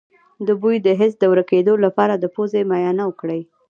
د بوی د حس د ورکیدو لپاره د پوزې معاینه وکړئ